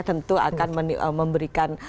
tentu akan memberikan